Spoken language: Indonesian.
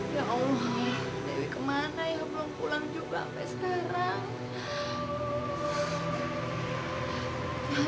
ya allah dari kemana ya belum pulang juga sampai sekarang